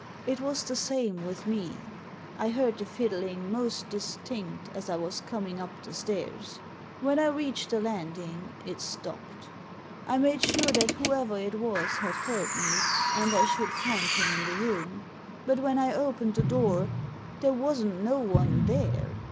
It was the same with me, I heard Digitized by VjOOQIC THE VIOLIN 103 the fiddling most distinct as I was coming up the stairs; when I reached the landing it stopped. I made sure that whoever it was had heard me, and I should find him in the room ; but when I opened the door there wasn't no one there.